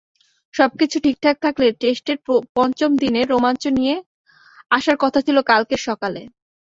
সবকিছু ঠিকঠাক থাকলে টেস্টের পঞ্চম দিনের রোমাঞ্চ নিয়ে আসার কথা ছিল কালকের সকাল।